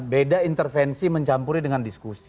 beda intervensi mencampuri dengan diskusi